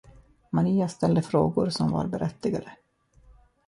Maria ställde frågor som var berättigade.